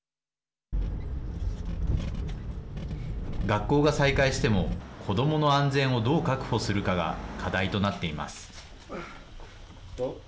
学校が再開しても子どもの安全をどう確保するかが課題となっています。